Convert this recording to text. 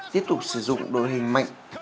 tiếp tục sử dụng đội hình mạnh